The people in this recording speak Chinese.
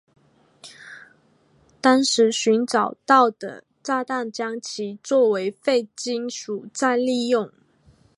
同时寻找到的炸弹将其作为废金属再利用。